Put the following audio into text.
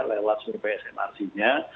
lela sur psnrc nya